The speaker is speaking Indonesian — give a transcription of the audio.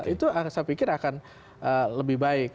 itu saya pikir akan lebih baik